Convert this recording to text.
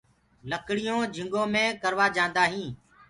لڪڙيونٚ جھنٚگو مي ڪروآ جآنٚدآئينٚ